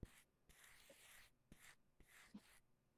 زمان و مکان کی ساری بحثیں لا یعنی۔